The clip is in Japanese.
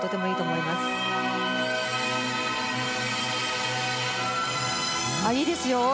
いいですよ。